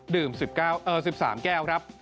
ดื่ม๑๓แก้วครับ